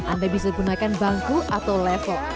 anda bisa gunakan bangku atau level